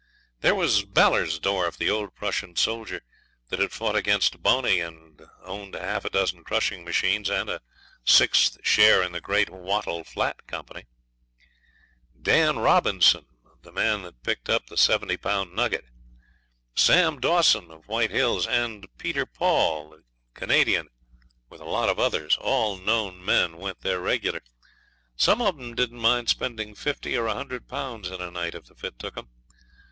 There was Ballersdorf, the old Prussian soldier, that had fought against Boney, and owned half a dozen crushing machines and a sixth share in the Great Wattle Flat Company; Dan Robinson, the man that picked up the 70 pound nugget; Sam Dawson, of White Hills, and Peter Paul, the Canadian, with a lot of others, all known men, went there regular. Some of them didn't mind spending fifty or a hundred pounds in a night if the fit took them.